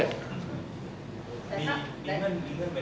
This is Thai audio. มีเลื่อนเวลาไหมครับ